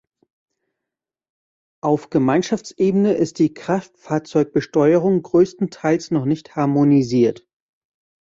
Auf Gemeinschaftsebene ist die Kraftfahrzeugbesteuerung größtenteils noch nicht harmonisiert.